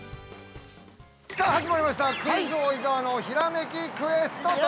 ◆さあ、始まりましたクイズ王「伊沢のひらめきクエスト」。